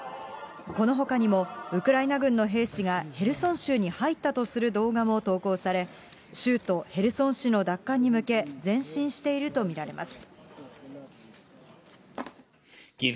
このほかにも、ウクライナ軍の兵士がヘルソン州に入ったとする動画も投稿され、州都、ヘルソン市の奪還に向け、前進していると見られます。